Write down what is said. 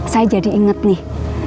saya jadi inget nih